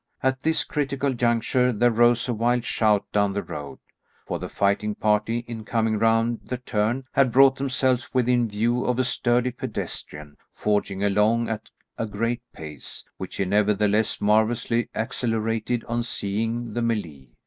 At this critical juncture there rose a wild shout down the road, for the fighting party, in coming round the turn, had brought themselves within view of a sturdy pedestrian forging along at a great pace, which he nevertheless marvellously accelerated on seeing the mêlée.